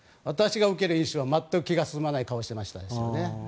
私が受ける印象は全く気が進まない顔をしていましたよね。